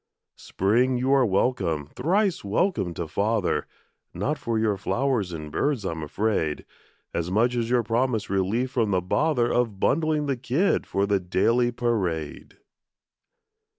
Spring, you are welcome, thrice welcome to father; Not for your flowers and birds, I'm afraid, As much as your promised relief from the bother Of bundling the kid for the daily parade.